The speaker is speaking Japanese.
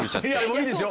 いいですよ